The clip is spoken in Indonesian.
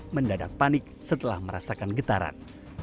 mendadak panik setelah merasakan getaran